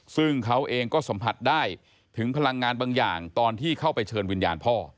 ซึ่งเขาเองก็สัมผัสได้ถึงพลังงานบางอย่างตอนที่เข้าไปเชิญวิญญาณพ่อ